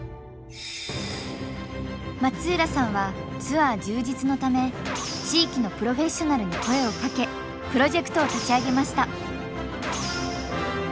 松浦さんはツアー充実のため地域のプロフェッショナルに声をかけプロジェクトを立ち上げました。